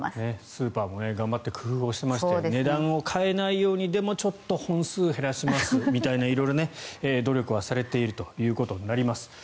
スーパーも頑張って工夫をしてまして値段を変えないようにでもちょっと本数を減らしますみたいな色々努力はされているということになります。